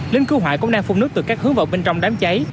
lính cứu hoại cũng đang phun nước từ các hướng vọt bên trong đám cháy